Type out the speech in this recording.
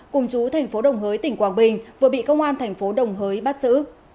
cùng chú tp đồng hới tỉnh quảng bình vừa bị công an tp đồng hới bắt giữ